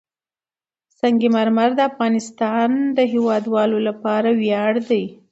سنگ مرمر د افغانستان د هیوادوالو لپاره ویاړ دی.